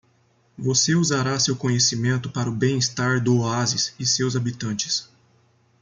Você usará seu conhecimento para o bem-estar do oásis e seus habitantes.